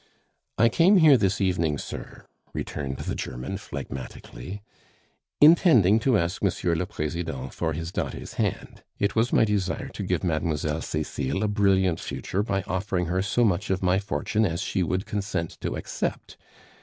"I came here this evening, sir," returned the German phlegmatically, "intending to ask M. le President for his daughter's hand. It was my desire to give Mlle. Cecile a brilliant future by offering her so much of my fortune as she would consent to accept.